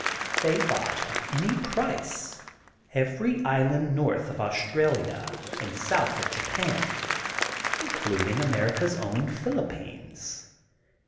They bought at any price every island north of Australia and south of Japan, including America 's own Philippines.